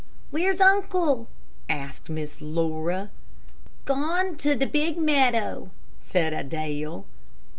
"Where's uncle?" asked Miss Laura. "Gone to de big meadow," said Adele.